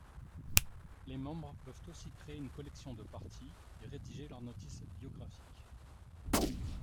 Les membres peuvent aussi créer une collection de parties et rédiger leur notice biographique.